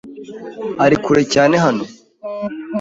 Ari kure cyane hano?